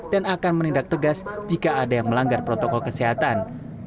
dan akan menindak tegas jika ada yang melanggar protokol kesehatan